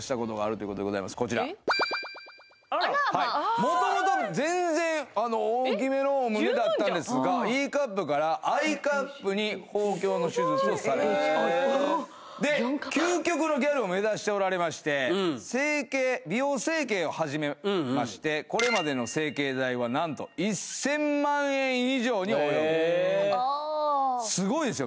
もともと全然大きめのお胸だったんですがＥカップから十分じゃんＩカップに豊胸の手術をされへえで究極のギャルを目指しておられまして整形美容整形を始めましてうんうんこれまでの整形代はなんと１０００万円以上に及ぶへえすごいですよ